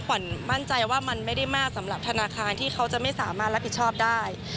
ขวัญมั่นใจว่ามันไม่ได้มากสำหรับธนาคารที่เขาจะไม่สามารถรับผิดชอบได้